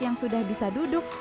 yang sudah bisa duduk